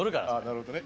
なるほどね。